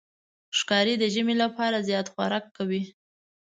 ښکاري د ژمي لپاره زیات خوراک کوي.